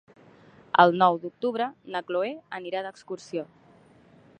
El nou d'octubre na Chloé anirà d'excursió.